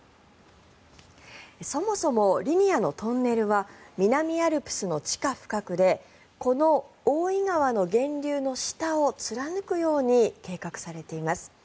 そもそもリニアのトンネルは南アルプスの地下深くでこの大井川の源流の下を貫くように計画されています。